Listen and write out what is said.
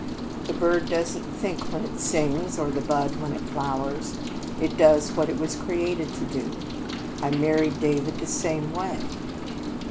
The bird doesn't think when it sings or the bud when it flowers. It does what it was created to do. I married David the same way."